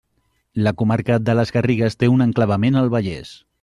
La comarca de les Garrigues té un enclavament al Vallès.